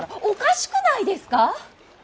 おかしくないですか。